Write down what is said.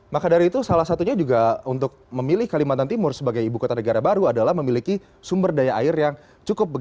maka dari itu salah satunya juga untuk memilih kalimantan timur sebagai ibu kota negara baru adalah memiliki sumber daya air yang cukup